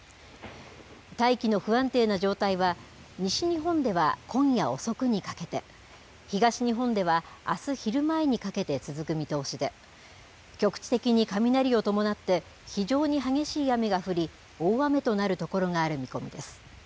大気の不安定な状態は、西日本では今夜遅くにかけて、東日本ではあす昼前にかけて続く見通しで、局地的に雷を伴って、非常に激しい雨が降り、大雨となる所がある見込みです。